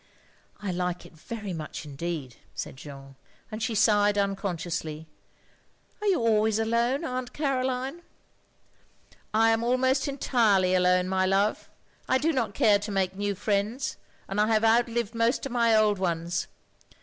" I like it very much indeed, " said Jeanne, and she sighed unconsciously. "Are you always alone. Aunt Caroline?" " I am almost entirely alone, my love. I do not care to make new friends, and I have outlived most of my old ones.